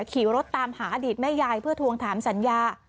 ขี่รถตามหาอดีตแม่ยายเพื่อทวงถามสัญญา